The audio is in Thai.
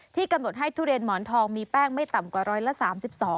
กำหนดให้ทุเรียนหมอนทองมีแป้งไม่ต่ำกว่าร้อยละ๓๒